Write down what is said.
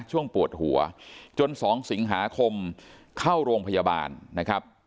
ช่วงปวดหัวจน๒สิงหาคมเข้าโรงพยาบาลนะครับ